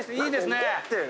いいですね。